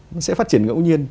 nó sẽ phát triển ngẫu nhiên